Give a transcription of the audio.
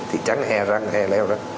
thị trắng eleo